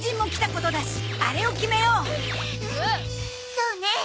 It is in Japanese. そうね。